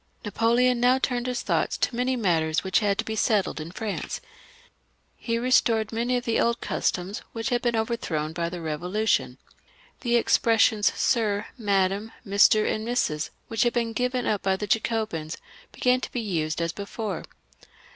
Napoleon now turned his thoughts to many matters which had to be settled in France. He restored many of the old customs which had been overthrown by the Eevo lution. The expressions Sir, Madam, Mr., and Mrs., which had been given up by the Jacobins, began to be used as before.